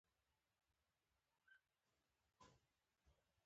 د عباس قلي په لښکر کې سرې لمبې را وګرځېدې.